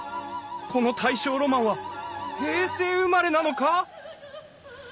この大正ロマンは平成生まれなのか！？